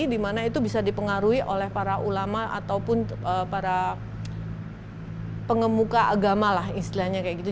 dimana itu bisa dipengaruhi oleh para ulama ataupun para pengemuka agama lah istilahnya kayak gitu